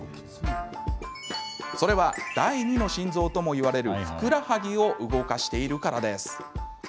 それは、第２の心臓ともいわれるふくらはぎを動かしているからです。